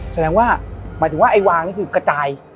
แสดงว่าหมายถึงว่าไอ้วางนี่คือกระจาย